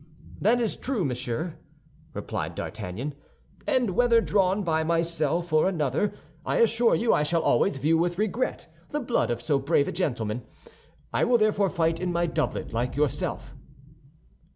"That is true, Monsieur," replied D'Artagnan, "and whether drawn by myself or another, I assure you I shall always view with regret the blood of so brave a gentleman. I will therefore fight in my doublet, like yourself."